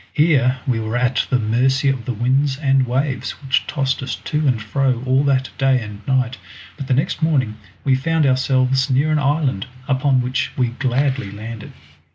Here we were at the mercy of the winds and waves, which tossed us to and fro all that day and night, but the next morning we found ourselves near an island, upon which we gladly landed.